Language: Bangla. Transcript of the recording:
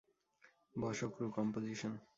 বসো - ক্রু কম্পোজিশন!